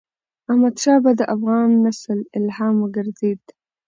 احمدشاه بابا د افغان ځوان نسل الهام وګرځيد.